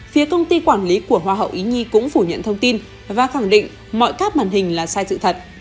phía công ty quản lý của hoa hậu ý nhi cũng phủ nhận thông tin và khẳng định mọi các màn hình là sai sự thật